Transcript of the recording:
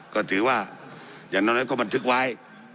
ก็ถือว่าอย่างน้อยก็บันทึกไว้